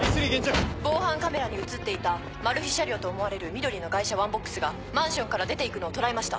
防犯カメラに写っていたマルヒ車両と思われる緑の外車ワンボックスがマンションから出て行くのを捉えました